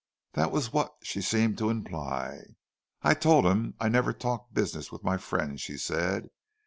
That was what she seemed to imply. "I told him I never talked business with my friends," she said.